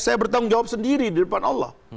saya bertanggung jawab sendiri di depan allah